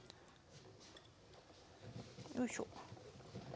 よいしょ。